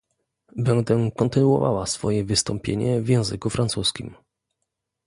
Będę kontynuowała swoje wystąpienie w języku francuskim